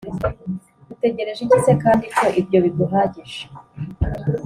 Utegereje iki se kandi ko ibyo biguhagije